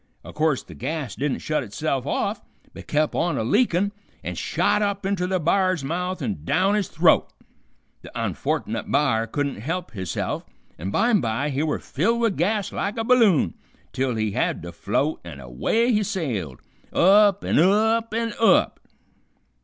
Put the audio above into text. O' course the gas didn't shut itself off, but kep' on a leakin' an' shot up inter the b'ar's mouth and down his throat. The onfortnit b'ar couldn't help hisself, an' bimby he were filled with gas like a balloon, till he had to float, an' away he sailed, up an' up an' up.